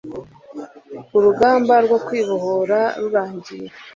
urugamba rwo kwibohora rurangiye